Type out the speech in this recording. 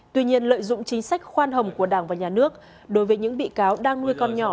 tuy nhiên lợi dụng chính sách khoan hồng của đảng và nhà nước đối với những bị cáo đang nuôi con nhỏ